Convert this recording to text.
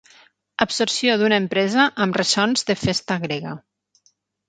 Absorció d'una empresa amb ressons de festa grega.